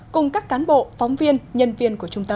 cùng các cán bộ phóng viên nhân viên của trung tâm